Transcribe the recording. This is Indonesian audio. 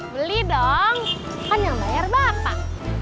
beli dong kan yang bayar bapak